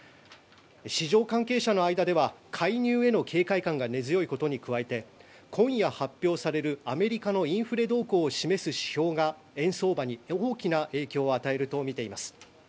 市場関係者の間では介入への警戒感が根強いことに加えて今夜発表される、アメリカのインフレ動向を示す指標が円相場に大きな影響を与えるとみています。